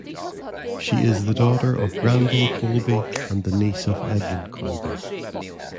She is the daughter of Granville Coleby and the niece of Edwin Coleby.